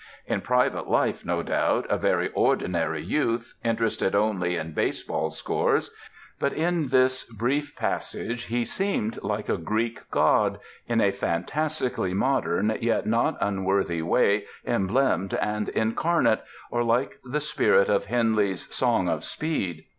In private life, no doubt, a very ordinary youth, interested only in baseball scores; but in this brief passage he seemed like a Greek god, in a fantastically modern, yet not unworthy way emblemed and incarnate, or like the spirit of Henley's 'Song of Speed.'